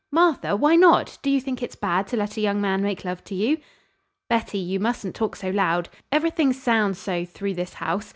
"Martha! Why not? Do you think it's bad to let a young man make love to you?" "Betty! You mustn't talk so loud. Everything sounds so through this house.